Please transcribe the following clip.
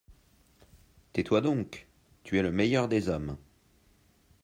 Tais-toi donc ! tu es le meilleur des hommes.